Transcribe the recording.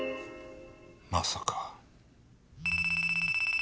まさか。